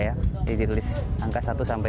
jadi ditulis angka satu sampai sepuluh